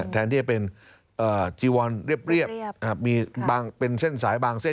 แทนที่จะเป็นจีวอนเรียบมีบางเป็นเส้นสายบางเส้น